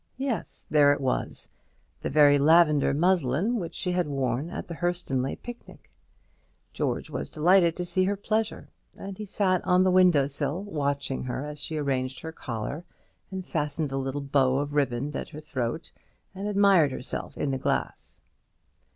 Yes, there it was; the very lavender muslin which she had worn at the Hurstonleigh picnic. George was delighted to see her pleasure; and he sat on the window sill watching her as she arranged her collar and fastened a little bow of riband at her throat, and admired herself in the glass.